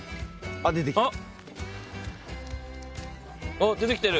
あっ出てきてる！